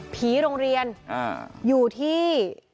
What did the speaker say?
โรงเรียนอยู่ที่